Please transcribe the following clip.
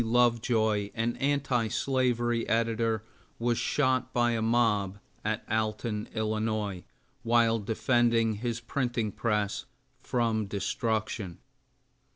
Lovejoy, an anti slavery editor, was shot by a mob at Alton, Ill., while defending his printing press from destruction.